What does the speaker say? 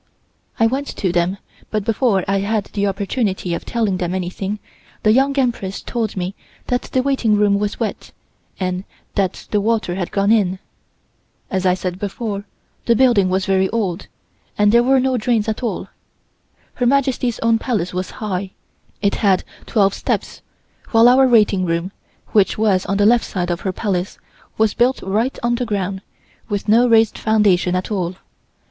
I went to them, but before I had the opportunity of telling them anything the Young Empress told me that the waiting room was wet, and that the water had gone in. As I said before, this building was very old, and there were no drains at all. Her Majesty's own Palace was high; it had twelve steps, while our waiting room, which was on the left side of her Palace, was built right on the ground, with no raised foundation at all.